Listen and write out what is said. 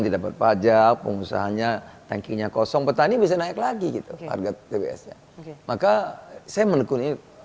didapat pajak pengusahanya tankinya kosong petani bisa naik lagi gitu harga tbs nya maka saya menekuni